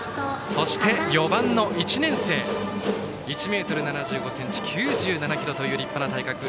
そして、４番の１年生１ｍ７５ｃｍ９７ｋｇという立派な体格。